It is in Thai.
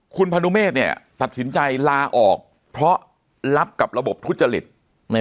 คุณพนุเมฆเนี่ยตัดสินใจลาออกเพราะรับกับระบบทุจริต